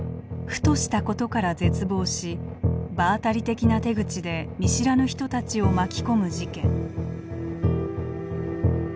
ふとしたことから絶望し場当たり的な手口で見知らぬ人たちを巻き込む事件。